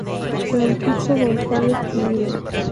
Francisco González-Pulido.